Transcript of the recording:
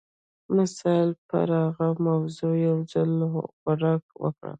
مثلاً پر هغه موضوع یو ځل غور وکړئ